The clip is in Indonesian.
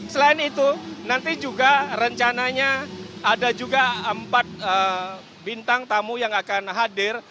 selain itu nanti juga rencananya ada juga empat bintang tamu yang akan hadir